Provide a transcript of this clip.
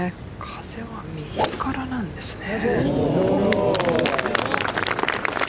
風は右からなんですね。